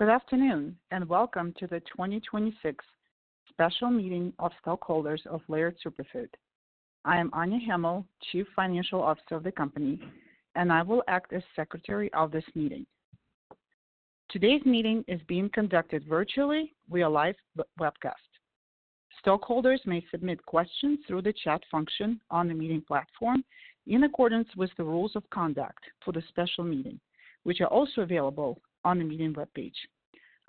Good afternoon, and welcome to the 2026 special meeting of stockholders of Laird Superfood. I am Anya Hamill, Chief Financial Officer of the company, and I will act as secretary of this meeting. Today's meeting is being conducted virtually via live webcast. Stockholders may submit questions through the chat function on the meeting platform in accordance with the rules of conduct for the special meeting, which are also available on the meeting webpage.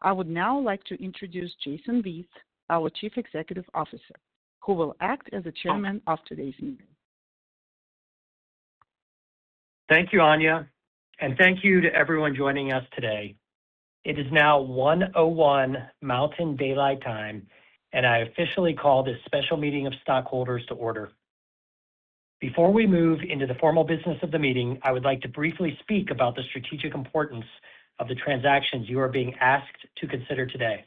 I would now like to introduce Jason Vieth, our Chief Executive Officer, who will act as the chairman of today's meeting. Thank you, Anya, and thank you to everyone joining us today. It is now 1:01 P.M. Mountain Daylight Time, and I officially call this special meeting of stockholders to order. Before we move into the formal business of the meeting, I would like to briefly speak about the strategic importance of the transactions you are being asked to consider today.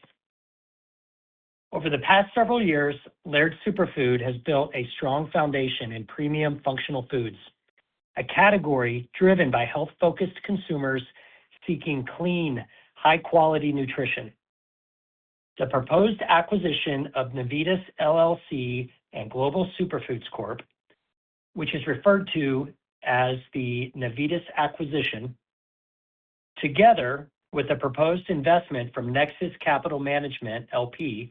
Over the past several years, Laird Superfood has built a strong foundation in premium functional foods, a category driven by health-focused consumers seeking clean, high-quality nutrition. The proposed acquisition of Navitas LLC and Global Superfoods Corp, which is referred to as the Navitas Acquisition, together with a proposed investment from Nexus Capital Management LP,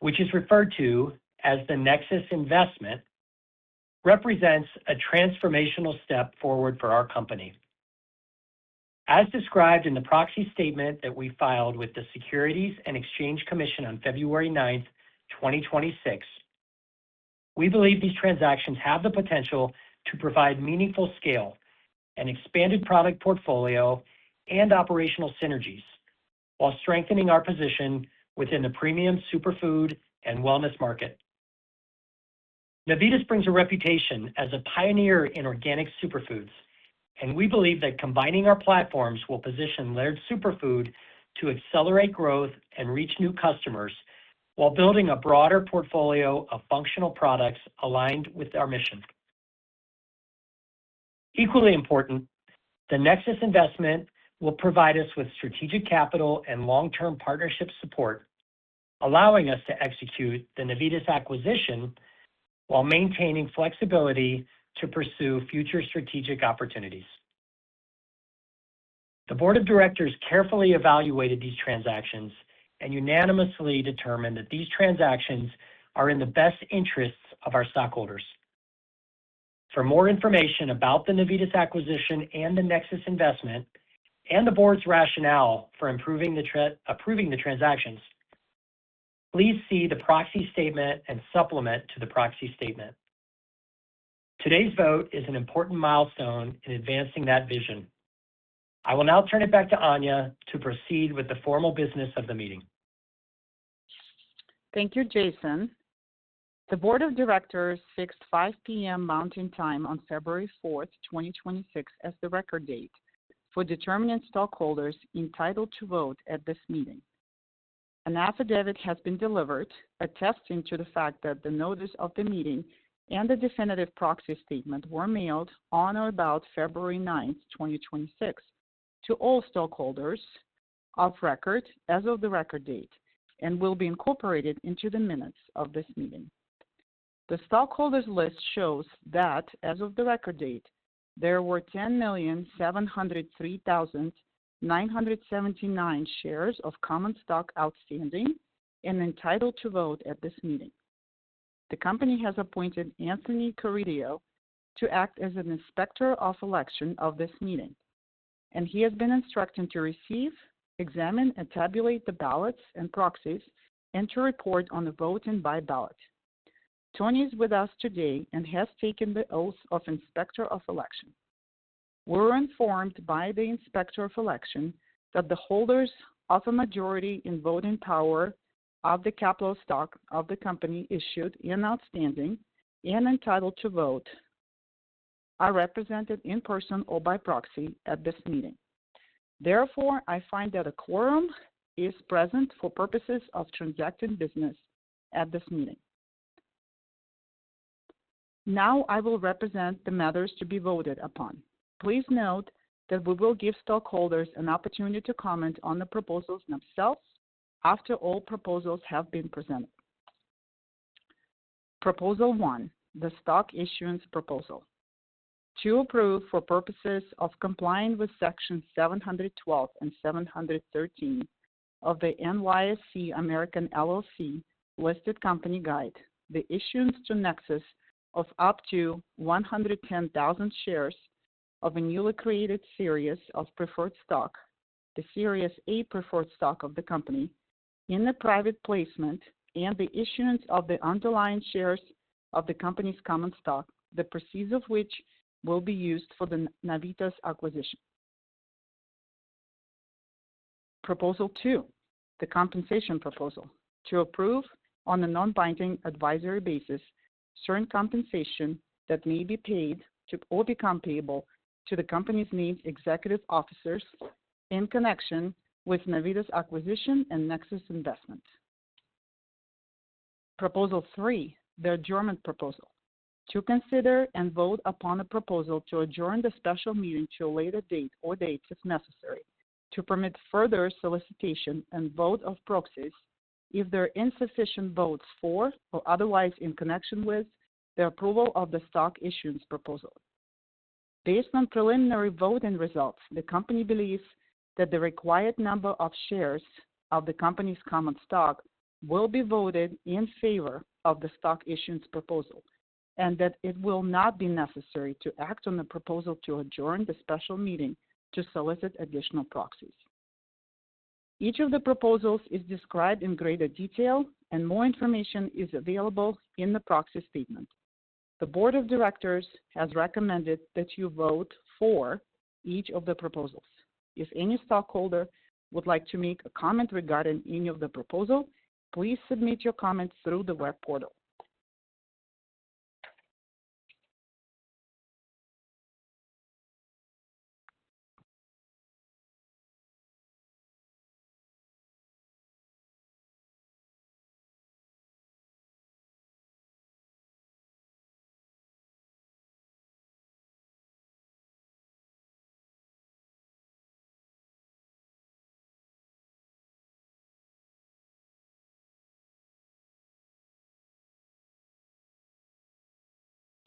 which is referred to as the Nexus Investment, represents a transformational step forward for our company. As described in the proxy statement that we filed with the Securities and Exchange Commission on February 9, 2026, we believe these transactions have the potential to provide meaningful scale and expanded product portfolio and operational synergies while strengthening our position within the premium superfood and wellness market. Navitas brings a reputation as a pioneer in organic superfoods, and we believe that combining our platforms will position Laird Superfood to accelerate growth and reach new customers while building a broader portfolio of functional products aligned with our mission. Equally important, the Nexus investment will provide us with strategic capital and long-term partnership support, allowing us to execute the Navitas acquisition while maintaining flexibility to pursue future strategic opportunities. The board of directors carefully evaluated these transactions and unanimously determined that these transactions are in the best interests of our stockholders. For more information about the Navitas Acquisition and the Nexus Investment and the board's rationale for approving the transactions, please see the proxy statement and supplement to the proxy statement. Today's vote is an important milestone in advancing that vision. I will now turn it back to Anya to proceed with the formal business of the meeting. Thank you, Jason. The board of directors fixed 5:00 P.M. Mountain Time on February fourth, 2026 as the record date for determining stockholders entitled to vote at this meeting. An affidavit has been delivered attesting to the fact that the notice of the meeting and the definitive proxy statement were mailed on or about February ninth, 2026 to all stockholders of record as of the record date and will be incorporated into the minutes of this meeting. The stockholders' list shows that as of the record date, there were 10,703,979 shares of common stock outstanding and entitled to vote at this meeting. The company has appointed Anthony Corridio to act as Inspector of Election of this meeting, and he has been instructed to receive, examine, and tabulate the ballots and proxies and to report on the vote and by ballot. Anthony Corridio is with us today and has taken the oath of Inspector of Election. We're informed by the Inspector of Election that the holders of a majority in voting power of the capital stock of the company issued and outstanding and entitled to vote are represented in person or by proxy at this meeting. Therefore, I find that a quorum is present for purposes of transacting business at this meeting. Now I will present the matters to be voted upon. Please note that we will give stockholders an opportunity to comment on the proposals themselves after all proposals have been presented. Proposal One, the Stock Issuance Proposal. To approve for purposes of complying with Section 712 and 713 of the NYSE American LLC Listed Company Guide, the issuance to Nexus of up to 110,000 shares of a newly created series of preferred stock, the Series A Preferred Stock of the company in the private placement and the issuance of the underlying shares of the company's common stock, the proceeds of which will be used for the Navitas Acquisition. Proposal two, the compensation proposal. To approve on a non-binding advisory basis certain compensation that may be paid to or become payable to the company's named executive officers in connection with Navitas Acquisition and Nexus Investment. Proposal three, the Adjournment Proposal. To consider and vote upon a proposal to adjourn the special meeting to a later date or dates, if necessary, to permit further solicitation and vote of proxies if there are insufficient votes for or otherwise in connection with the approval of the Stock Issuance Proposal. Based on preliminary voting results, the company believes that the required number of shares of the company's common stock will be voted in favor of the Stock Issuance Proposal and that it will not be necessary to act on the Adjournment Proposal to solicit additional proxies. Each of the proposals is described in greater detail and more information is available in the proxy statement. The Board of Directors has recommended that you vote for each of the proposals. If any stockholder would like to make a comment regarding any of the proposals, please submit your comments through the web portal.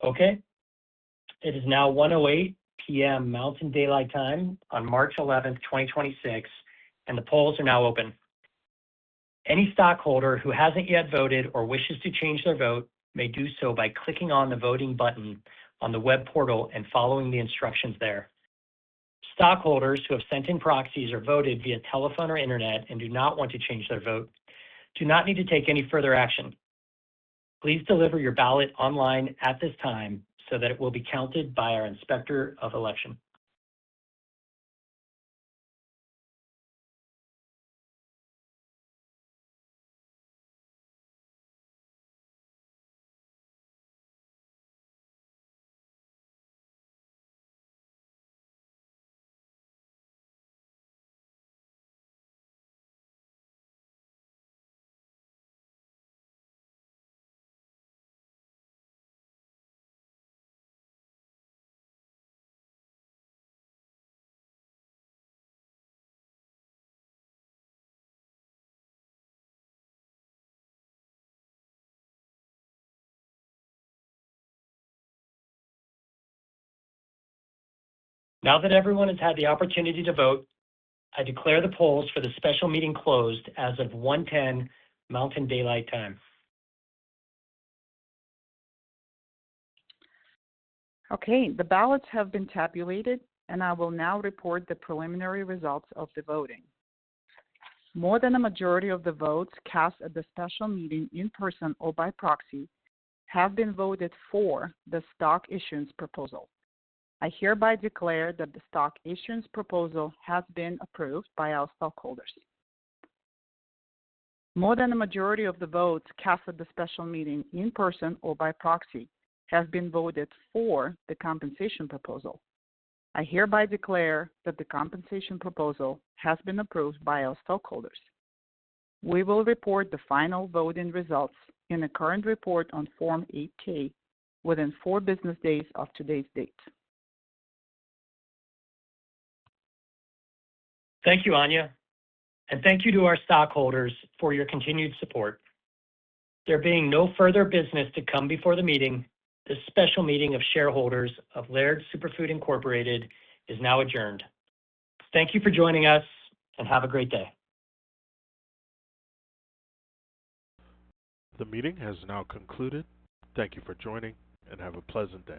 Okay, it is now 1:08 P.M. Mountain Daylight Time on March eleventh, 2026, and the polls are now open. Any stockholder who hasn't yet voted or wishes to change their vote may do so by clicking on the voting button on the web portal and following the instructions there. Stockholders who have sent in proxies or voted via telephone or internet and do not want to change their vote do not need to take any further action. Please deliver your ballot online at this time so that it will be counted by our Inspector of Election. Now that everyone has had the opportunity to vote, I declare the polls for the special meeting closed as of 1:10 Mountain Daylight Time. Okay, the ballots have been tabulated, and I will now report the preliminary results of the voting. More than a majority of the votes cast at the special meeting in person or by proxy have been voted for the Stock Issuance Proposal. I hereby declare that the Stock Issuance Proposal has been approved by our stockholders. More than a majority of the votes cast at the special meeting in person or by proxy have been voted for the compensation proposal. I hereby declare that the compensation proposal has been approved by our stockholders. We will report the final voting results in the current report on Form 8-K within four business days of today's date. Thank you, Anya. Thank you to our stockholders for your continued support. There being no further business to come before the meeting, this special meeting of shareholders of Laird Superfood, Inc. is now adjourned. Thank you for joining us, and have a great day. The meeting has now concluded. Thank you for joining, and have a pleasant day.